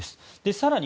更に、